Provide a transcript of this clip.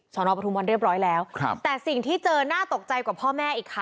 นอปทุมวันเรียบร้อยแล้วครับแต่สิ่งที่เจอน่าตกใจกว่าพ่อแม่อีกค่ะ